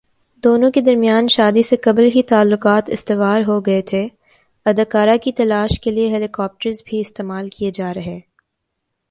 دونوں کے درمیان شادی سے قبل ہی تعلقات استوار ہوگئے تھےاداکارہ کی تلاش کے لیے ہیلی کاپٹرز بھی استعمال کیے جا رہے